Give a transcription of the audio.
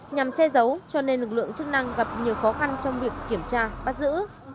nhằm che giấu cho nên lực lượng chức năng gặp nhiều khó khăn trong việc kiểm tra bắt giữ